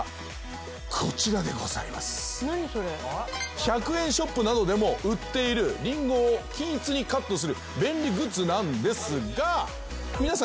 １００円ショップなどでも売っているリンゴを均一にカットする便利グッズなんですが。